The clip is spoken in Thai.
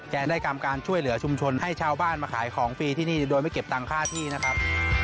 จะได้กรรมการช่วยเหลือชุมชนให้ชาวบ้านมาขายของฟรีที่นี่โดยไม่เก็บตังค่าที่นะครับ